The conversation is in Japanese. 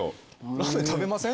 ラーメン食べません？